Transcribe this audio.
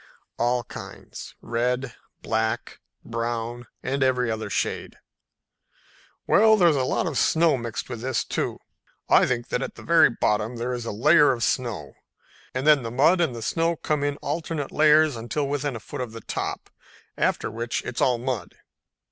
"All kinds, red, black, brown and every other shade." "Well, there's a lot of snow mixed with this, too. I think that at the very bottom there is a layer of snow, and then the mud and the snow come in alternate layers until within a foot of the top, after which it's all mud.